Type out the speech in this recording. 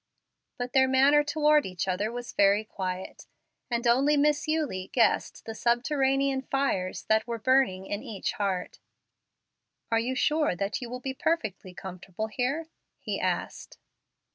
But their manner toward each other was very quiet, and only Miss Eulie guessed the subterranean fires that were burning in each heart. "Are you sure that you will be perfectly comfortable here?" he asked.